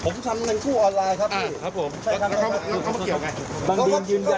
ผมทำเงินกู้ออนไลน์ครับพี่ครับผมใช่ครับเขามาเกี่ยวไง